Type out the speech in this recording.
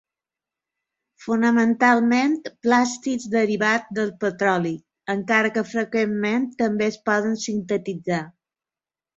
Fonamentalment plàstics derivats del petroli, encara que freqüentment també es poden sintetitzar.